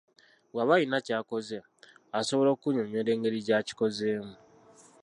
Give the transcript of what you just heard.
Bw'aba alina ky'akoze, asobola okunnyonnyola engeri gy'akikozemu.